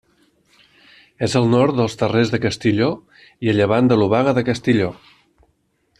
És al nord dels Terrers de Castilló i a llevant de l'Obaga de Castilló.